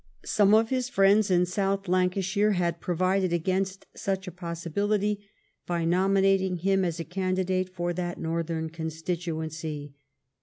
Some of his friends in South Lancashire had provided against such a possibility by nominating him as a candidate for that northern constituency.